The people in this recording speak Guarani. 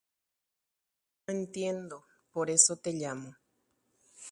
Chéngo nantendéi upévarente rohenoimi.